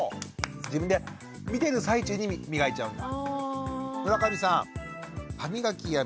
自分で見てる最中に磨いちゃうんだ。